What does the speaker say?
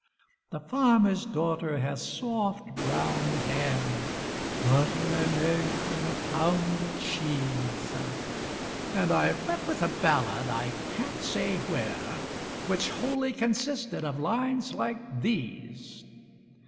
The farmer's daughter hath soft brown hair; (Butter and eggs and a pound of cheese) And I've met with a ballad, I can't say where, Which wholly consisted of lines like these.